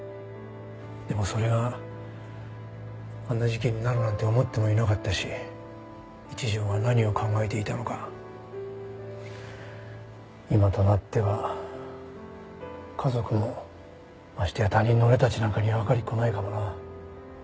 でもそれがあんな事件になるなんて思ってもいなかったし一条が何を考えていたのか今となっては家族もましてや他人の俺たちなんかにはわかりっこないかもな。